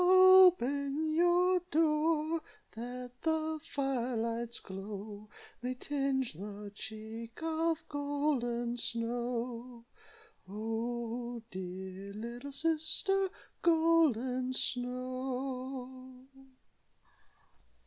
"Open your door, That the fire light's glow May tinge the cheek Of Golden Snow Oh! dear little sister, Golden Snow."